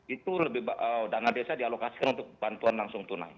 itu lebih dana desa dialokasikan untuk bantuan langsung tunai